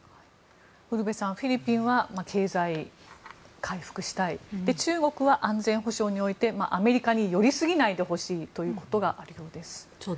ウルヴェさんフィリピンは経済回復したい中国は安全保障においてアメリカに寄りすぎないでほしいということがあるようです。